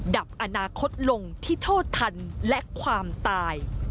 ดับอนาคตลงที่โทษทันและความตาย